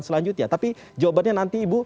selanjutnya tapi jawabannya nanti ibu